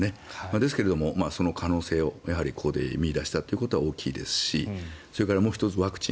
ですけど、その可能性をやはりここで見いだしたということは大きいですしそれからもう１つ、ワクチン。